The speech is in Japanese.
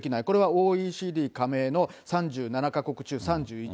これはＯＥＣＤ加盟の３７か国中、３１位。